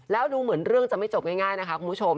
แล้วดูเหมือนเรื่องจะไม่จบง่ายนะคะคุณผู้ชม